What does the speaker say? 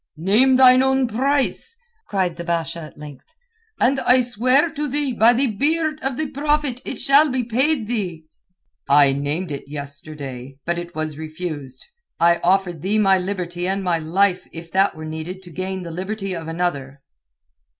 "Name thine own price," cried the Basha at length, "and I swear to thee by the beard of the Prophet it shall be paid thee." "I named it yesterday, but it was refused. I offered thee my liberty and my life if that were needed to gain the liberty of another."